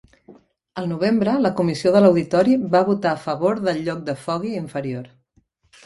Al novembre, la Comissió de l'Auditori va votar a favor del lloc de Foggy inferior.